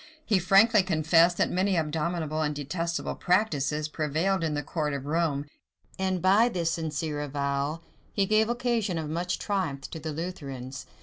He frankly confessed, that many abominable and detestable practices prevailed in the court of Rome; and by this sincere avowal, he gave occasion of much triumph to the Lutherans.